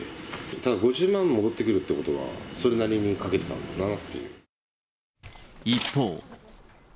ただ５０万戻ってくるってことは、それなりに賭けてたんだなってい一方。